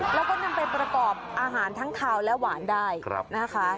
แล้วก็นำไปประกอบอาหารทั้งคาวและหวานได้นะคะ